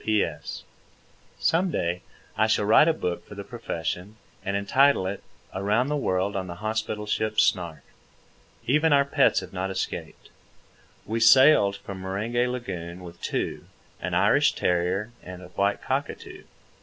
P.S. Some day I shall write a book (for the profession), and entitle it, "Around the World on the Hospital Ship Snark." Even our pets have not escaped. We sailed from Meringe Lagoon with two, an Irish terrier and a white cockatoo.